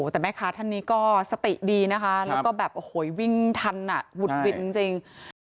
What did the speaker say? แต่แม่ค้าท่านนี้ก็สติดีนะคะแล้วก็แบบโอ้โหวิ่งทันหวุดหวิดจริง